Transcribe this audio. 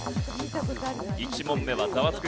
１問目はザワつく！